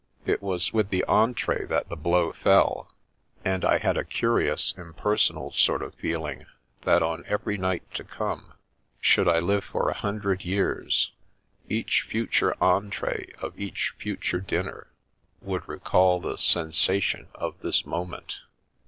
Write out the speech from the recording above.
It was with the entree that the blow fell, and I Woman Disposes 3 had a curious, impersonal sort of feeling that on every night to come, should I live for a hundred years, each future entree of each future dinner would recall the sensation of this moment.